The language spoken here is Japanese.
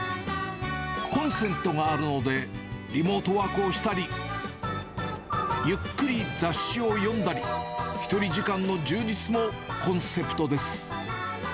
コンセントがあるので、リモートワークをしたり、ゆっくり雑誌を読んだり、ひとり時間の充実もコンセプトです。